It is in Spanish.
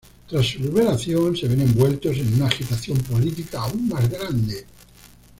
Tras su liberación, se ven envueltos en una agitación política aún más grande.